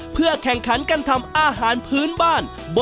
เพื่อแข่งขันกันทำอาหารพื้นบ้าน